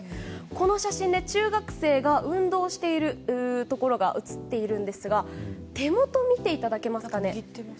この写真で中学生が運動しているところが写っているんですが手元を見ていただけますかね。